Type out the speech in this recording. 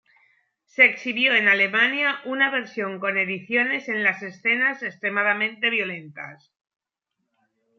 Se exhibió en Alemania una versión con ediciones en las escenas extremadamente violentas.